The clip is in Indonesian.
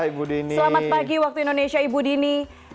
oke baik selamat pagi waktu indonesia ibu dini